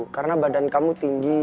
karena badan kamu tinggi